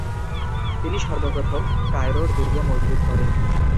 তিনি সর্বপ্রথম কায়রোর দুর্গ মজবুত করেন।